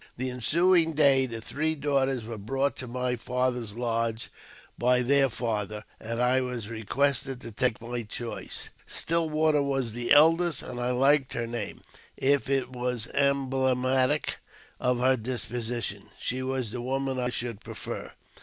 The ensuing day the three daughters were brought to my father's lodge by their father, and I was requested to take mj choice. " Still water " was the eldest, and I liked her name] if it was emblematic of her disposition, she was the woman should prefer.